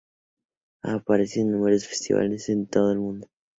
Ha participado en numerosos Festivales en todo el mundo.